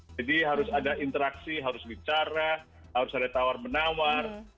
jadi harus ada interaksi harus bicara harus ada tawar menawar